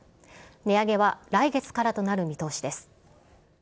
値上げは来月からとなる見通しです。